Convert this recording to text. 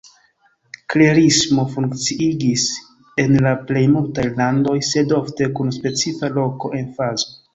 Klerismo funkciigis en la plej multaj landoj, sed ofte kun specifa loka emfazo.